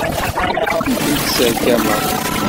Ur tent-sserkameɣ.